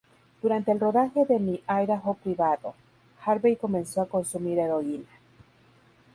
Durante el rodaje de "Mi Idaho privado", Harvey comenzó a consumir heroína.